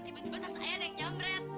tiba tiba tas ayah ada yang jambret